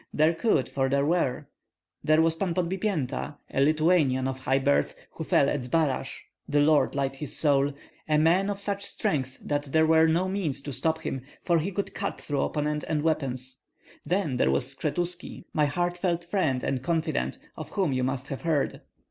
"There could, for there were. There was Pan Podbipienta, a Lithuanian of high birth, who fell at Zbaraj, the Lord light his soul! a man of such strength that there were no means to stop him, for he could cut through opponent and weapons. Then there was Skshetuski, my heartfelt friend and confidant, of whom you must have heard."